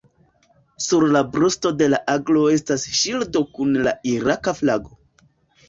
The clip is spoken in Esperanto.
Sur la brusto de la aglo estas ŝildo kun la iraka flago.